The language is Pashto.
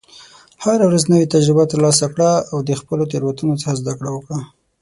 هره ورځ نوې تجربې ترلاسه کړه، او د خپلو تېروتنو څخه زده کړه وکړه.